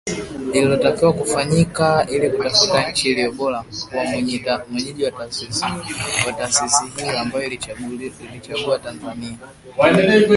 Lililotakiwa kufanyika ili kutafuta nchi iliyo bora kuwa mwenyeji wa taasisi hiyo, ambayo iliichagua Tanzania.